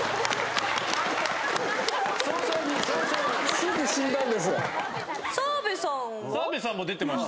すぐ死んだんです。